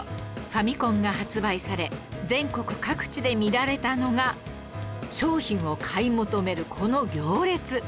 ファミコンが発売され全国各地で見られたのが商品を買い求めるこの行列